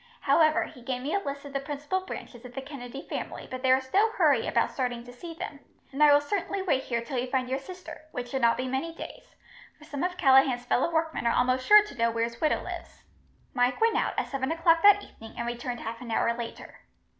However, he gave me a list of the principal branches of the Kennedy family, but there is no hurry about starting to see them, and I will certainly wait here till you find your sister, which should not be many days, for some of Callaghan's fellow workmen are almost sure to know where his widow lives." Mike went out, at seven o'clock that evening, and returned half an hour later.